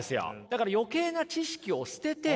だから余計な知識を捨てて。